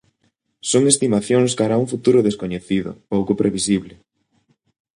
Son estimacións cara a un futuro descoñecido, pouco previsible.